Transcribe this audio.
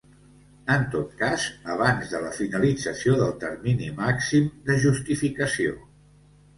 En tot cas, abans de la finalització del termini màxim de justificació.